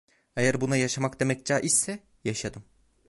Eğer buna yaşamak demek caizse, yaşadım.